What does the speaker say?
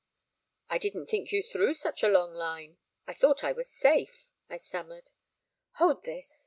'I didn't think you threw such a long line; I thought I was safe,' I stammered. 'Hold this!'